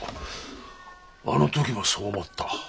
あの時もそう思った。